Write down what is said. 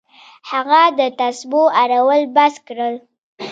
هغه د تسبو اړول بس کړل.